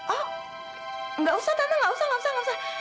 oh enggak usah tante gak usah nggak usah nggak usah